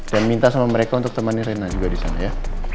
dan minta sama mereka untuk temani rena juga di sana ya